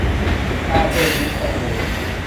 ราเชนทร์ ลิ้มตระกูล